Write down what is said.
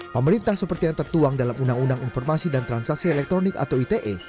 pemerintah seperti yang tertuang dalam undang undang informasi dan transaksi elektronik atau ite